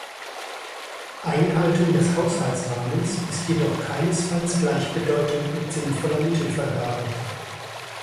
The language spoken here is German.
Einhaltung des Haushaltsrahmens ist jedoch keinesfalls gleichbedeutend mit sinnvoller Mittelvergabe.